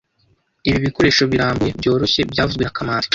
Ibi bikoresho birambuye byoroshye byavuzwe na kamanzi